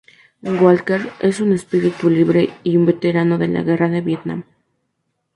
Walker es un espíritu libre y un veterano de la guerra de Vietnam.